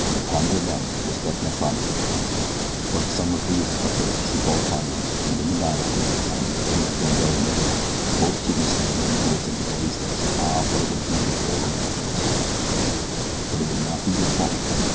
Upon your life respect my promise, Rozales; but if some of Villa's cutthroats should fall upon you, and in the battle, while you were trying to defend the gringo and Miguel, both should be slain by the bullets of the Villistas ah, but it would be deplorable, Rozales, but it would not be your fault.